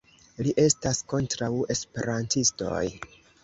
Li estas kontraŭ esperantistoj